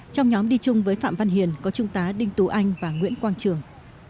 trong nhóm đi chung với phạm văn hiền có trung tá đinh tú anh và nguyễn quang trường